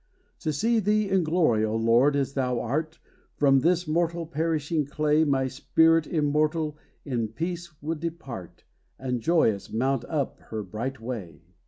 To see thee in glory, O Lord, as thou art, From this mortal, perishing clay My spirit immortal, in peace would depart, And, joyous, mount up her bright way.